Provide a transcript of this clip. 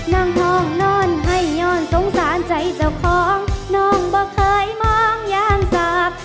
นั่งห้องนอนให้ย้อนสงสารใจเจ้าของน้องบ่เคยมองยามสาก